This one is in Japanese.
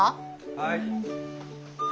はい。